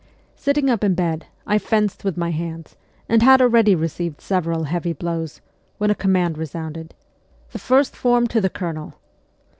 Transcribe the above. Sitting up in bed, I fenced with my hands, and had already received several heavy blows, when a command resounded, ' The first form to the Colonel